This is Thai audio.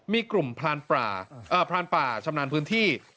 มีกลุ่มพลานปลาเอ่อพลานปลาชำนาญพื้นที่